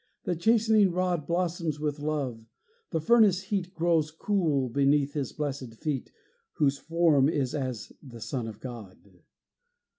The chastening rod Blossoms with love; the furnace heat Grows cool beneath His blessed feet Whose form is as the Son of God!